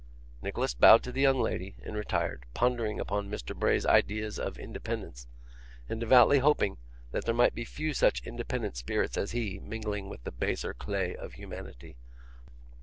Nicholas bowed low to the young lady and retired, pondering upon Mr Bray's ideas of independence, and devoutly hoping that there might be few such independent spirits as he mingling with the baser clay of humanity.